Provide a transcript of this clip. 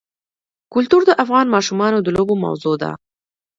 کلتور د افغان ماشومانو د لوبو موضوع ده.